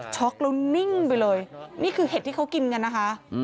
็อกแล้วนิ่งไปเลยนี่คือเห็ดที่เขากินกันนะคะ